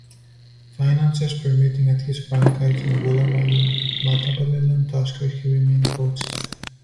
Finances permitting at his franchise in Bulawayo, the Matabeleland Tuskers, he remained coach there.